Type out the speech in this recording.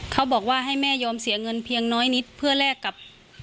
เขาบอกว่าให้แม่ยอมเสียเงินเพียงน้อยนิดเพื่อแลกกับ